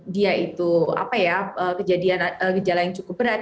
dia itu apa ya kejadian kejalan yang cukup berat